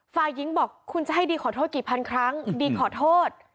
ฝ่ายหญิงบอกคุณจะให้ดีขอโทษกี่พันครั้งดีขอโทษ